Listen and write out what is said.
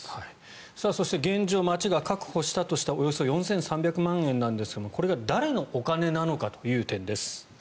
そして、現状町が確保したとしたおよそ４３００万円なんですがこれが誰のお金なのかという点です。